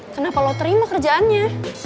kenapa kamu terima kerjaannya